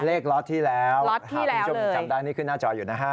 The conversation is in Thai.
เลขล้อทที่แล้วหาผู้ชมจำดังที่ขึ้นหน้าจออยู่นะคะ